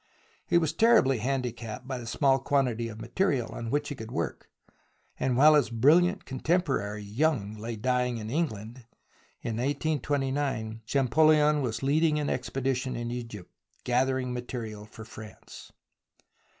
He was terribly handicapped by the small quantity of material on which he could work, and while his brilUant contemporary Young lay dying in England, in 1829, ChampolUon was leading an expedition in Egypt, gathering material for France.